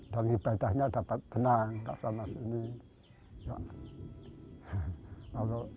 dan ibadahnya dapat tenang tak sama sendiri